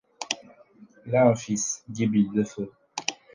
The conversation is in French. Il a un fils, Gibil, le feu.